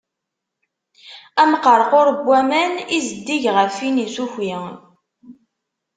Amqerqur n waman i zeddig ɣef win usuki.